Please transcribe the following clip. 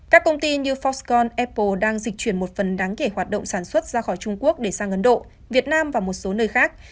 các công ty như foxconn apple đang dịch chuyển một phần đáng kể hoạt động sản xuất ra khỏi trung quốc để sang ấn độ việt nam và một số nơi khác